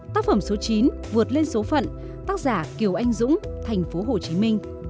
tác phẩm số chín vượt lên số phận tác giả kiều anh dũng tp hcm